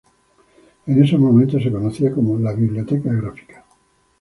En esos momentos se conocía como la "Biblioteca Gráfica".